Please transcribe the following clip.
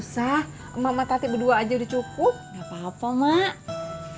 enggak apa apa mak mak tati berdua aja udah cukup enggak apa apa mak mak tati berdua aja udah cukup enggak apa apa mak